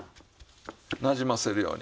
なじませるように。